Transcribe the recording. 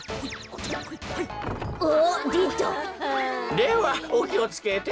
ではおきをつけて。